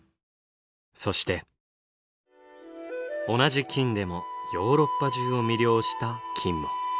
そして同じ金でもヨーロッパ中を魅了した金も。